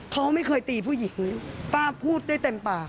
เขาไม่เคยตีผู้หญิงป้าพูดได้เต็มปาก